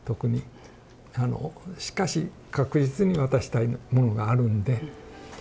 しかし確実に渡したいものがあるんで。